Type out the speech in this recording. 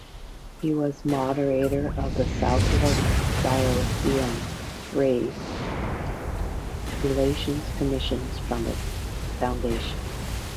He was Moderator of the Southwark Diocesan Race Relations Commission from its foundation.